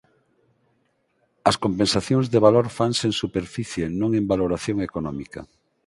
As compensacións de valor fanse en superficie non en valoración económica.